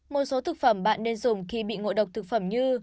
một số thực phẩm bạn nên dùng khi bị ngộ độc thực phẩm như